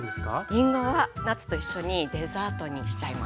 りんごはナッツと一緒にデザートにしちゃいます。